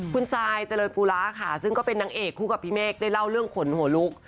คุณซายเจริญปูระค่ะซึ่งก็เป็นนางเอกคู่กับพี่เมฆได้เล่าเรื่องขนหัวลุก